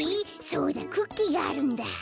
そうだクッキーがあるんだ。